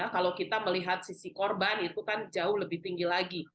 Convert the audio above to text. kalau kita melihat sisi korban itu kan jauh lebih tinggi lagi